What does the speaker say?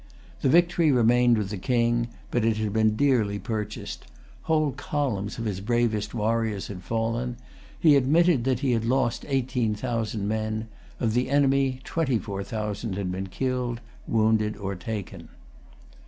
The victory remained with the King; but it had been dearly purchased. Whole columns of his bravest warriors had fallen. He admitted that he had lost eighteen thousand men. Of the enemy, twenty four thousand had been killed, wounded, or taken.